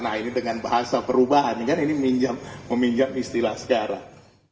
nah ini dengan bahasa perubahan ini kan meminjam istilah sekarang